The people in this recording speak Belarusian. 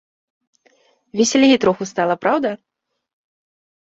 Весялей троху стала, праўда?